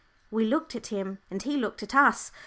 We looked at him, and he looked at us.